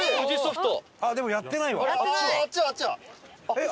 えっ！